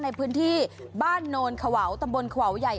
ในพื้นที่บ้านโนนขวาวตำบลขวาวใหญ่